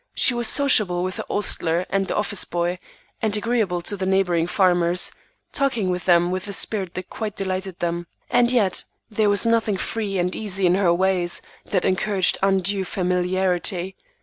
She was sociable with the ostler and the office boy, and agreeable to the neighboring farmers, talking with them with a spirit that quite delighted them. And yet there was nothing free and easy in her ways that encouraged undue familiarity.